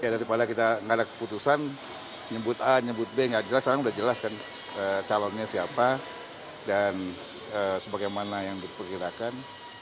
daripada kita nggak ada keputusan nyebut a nyebut b nggak jelas sekarang sudah jelas kan calonnya siapa dan sebagaimana yang diperkirakan